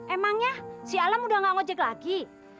emangnya si alam sudah enggak ojek lagi